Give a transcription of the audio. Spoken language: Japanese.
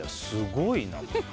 すごいな。